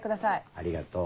ありがとう。